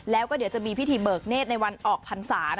แล้วก็เดี๋ยวจะมีพิธีเบิกเนธในวันออกพรรษา